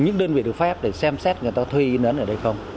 những đơn vị được phép để xem xét người ta thuê in ấn ở đây không